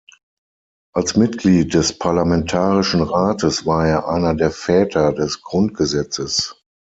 Als Mitglied des Parlamentarischen Rates war er einer der „Väter“ des Grundgesetzes.